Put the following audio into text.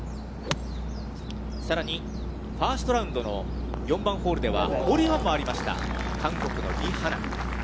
さらにファーストラウンドの４番ホールでは、ホールインワンもありました、韓国のリ・ハナ。